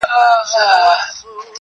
سپینه آیینه سوم له غباره وځم-